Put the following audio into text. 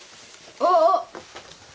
あっ。